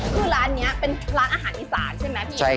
คือร้านนี้เป็นร้านอาหารอีสานใช่ไหมพี่